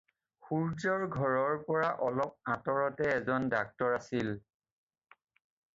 সূৰ্য্যৰ ঘৰৰ পৰা অলপ আঁতৰতে এজন ডাক্তৰ আছিল।